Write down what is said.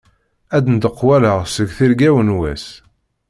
Ad d-ndekwaleɣ seg tirga-w n wass.